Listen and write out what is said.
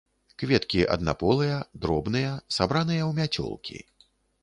Кветкі аднаполыя, дробныя, сабраныя ў мяцёлкі.